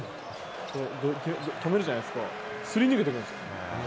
止めるじゃないですか、すり抜けていくんですよ。